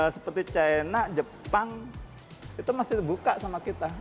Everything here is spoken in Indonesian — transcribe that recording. seperti china jepang itu masih terbuka sama kita